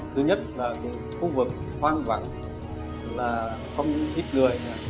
khu vực hoang vắng không ít người